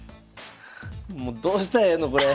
もうどうしたらええのこれ。